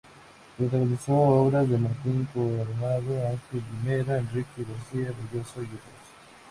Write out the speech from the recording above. Protagonizó obras de Martín Coronado, Ángel Guimerá, Enrique García Velloso y otros.